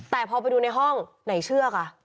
แต่พอไปดูในห้องไหนเชื่อค่ะ